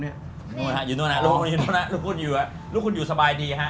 ลูกคุณอยู่สบายดี